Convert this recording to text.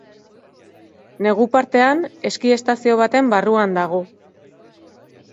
Negu partean, eski estazio baten barruan dago.